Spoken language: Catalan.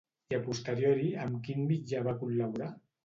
I a posteriori amb quin mitjà va col·laborar?